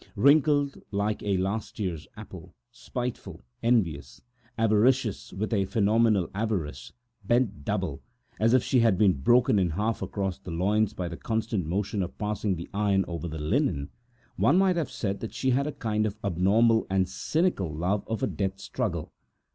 Wrinkled like a last year's apple, spiteful, envious, avaricious with a phenomenal avarice, bent double, as if she had been broken in half across the loins, by the constant movement of the iron over the linen, one might have said that she had a kind of monstrous and cynical affection for a death struggle.